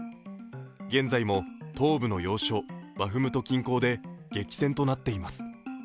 現在も、東部の要衝バフムト近郊で激戦となっています。